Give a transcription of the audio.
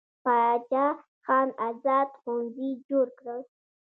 باچا خان ازاد ښوونځي جوړ کړل.